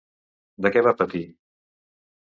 De què va patir?